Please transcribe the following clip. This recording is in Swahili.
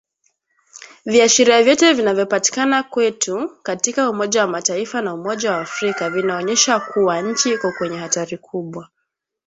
Viashiria vyote vinavyopatikana kwetu katika Umoja wa Mataifa na Umoja wa Afrika vinaonyesha kuwa nchi iko kwenye hatari kubwa